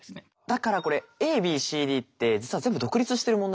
だからこれＡＢＣＤって実は全部独立してる問題なんですよ。